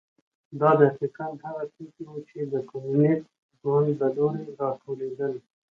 دا دقیقا هغه توکي وو چې د کمونېست ګوند له لوري راټولېدل.